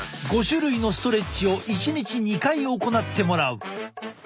５種類のストレッチを１日２回行ってもらう。